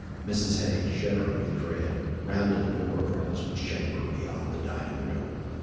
Mrs. Hay, shuddering with dread, ran to the door of her husband's chamber beyond the dining room.